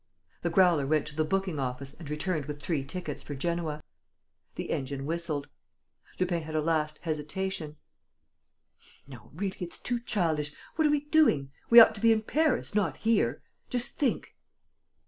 The Growler went to the booking office and returned with three tickets for Genoa. The engine whistled. Lupin had a last hesitation: "No, really, it's too childish! What are we doing? We ought to be in Paris, not here!... Just think!..."